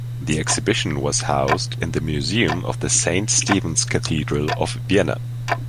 The exhibition was housed in the museum of the Saint Stephen's Cathedral of Vienna.